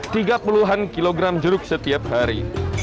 tiga puluhan kilogram jeruk setiap hari